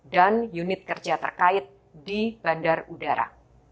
dan unit kerja terkait di bandar udara